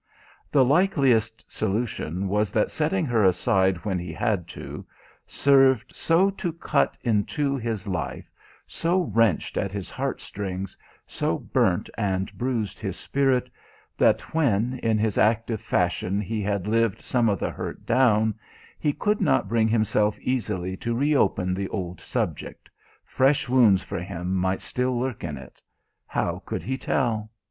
The likeliest solution was that setting her aside when he had to, served so to cut in two his life, so wrenched at his heartstrings, so burnt and bruised his spirit, that when, in his active fashion he had lived some of the hurt down, he could not bring himself easily to reopen the old subject fresh wounds for him might still lurk in it how could he tell?